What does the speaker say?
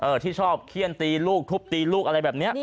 ที่ชอบเขี้ยนตีลูกทุบตีลูกอะไรแบบนี้